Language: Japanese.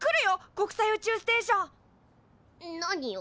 国際宇宙ステーション！何よ。